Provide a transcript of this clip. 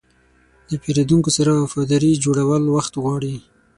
د پیرودونکو سره وفاداري جوړول وخت غواړي.